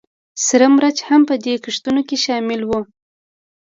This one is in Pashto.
سره مرچ هم په دې کښتونو کې شامل وو